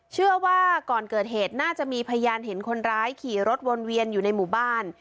เชื่อว่าก่อนเกิดเหตุน่าจะมีพยานเห็นคนร้ายขี่รถวนเวียนอยู่ในหมู่บ้าน